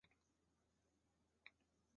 国立台湾艺术大学影剧科毕业。